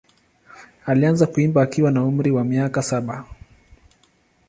Alianza kuimba akiwa na umri wa miaka saba.